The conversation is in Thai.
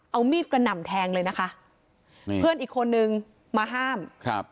เอามีดกระหน่ำแทงเลยนะคะนี่เพื่อนอีกคนนึงมาห้ามครับ